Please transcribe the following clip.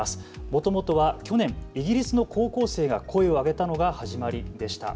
もともとは去年イギリスの高校生が声を上げたのが始まりでした。